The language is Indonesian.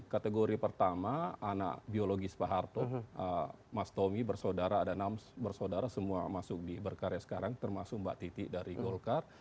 kategori pertama anak biologis pak harto mas tommy bersaudara ada enam bersaudara semua masuk di berkarya sekarang termasuk mbak titi dari golkar